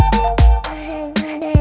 kau mau kemana